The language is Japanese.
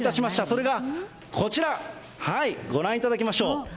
それがこちら、ご覧いただきましょう。